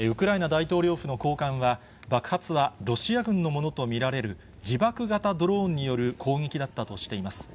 大統領府の高官は、爆発はロシア軍のものと見られる自爆型ドローンによる攻撃だったとしています。